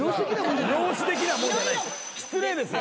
容姿的なもんじゃ失礼ですよ。